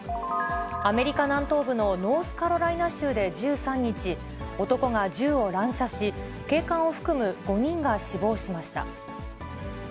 アメリカ南東部のノースカロライナ州で１３日、男が銃を乱射し、警官を含む５人が死亡しました。